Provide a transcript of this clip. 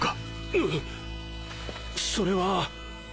うっそれは。